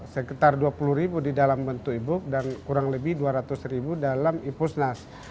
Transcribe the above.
sekitar dua puluh ribu di dalam bentuk e book dan kurang lebih dua ratus ribu dalam ipusnas